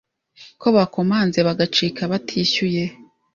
ko bakomanze bagacika batishyuye.